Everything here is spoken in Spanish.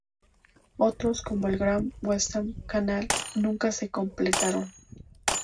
Otros, como el Grand Western Canal, nunca se completaron.